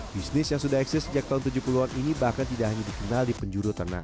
bisnis yang sudah exist sejak tahun tujuh puluhan ini bahkan tidak hanya dikenal di penjuru tanah